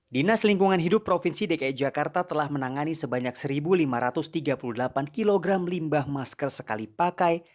dinas lingkungan hidup provinsi dki jakarta telah menangani sebanyak satu lima ratus tiga puluh delapan kg limbah masker sekali pakai